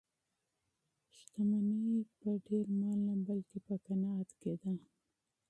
شتمني په ډېر مال نه بلکې په قناعت کې ده.